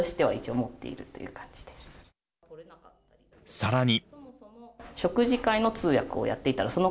さらに。